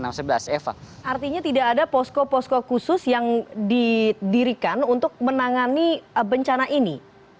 artinya tidak ada posko posko khusus yang didirikan untuk menangani bencana ini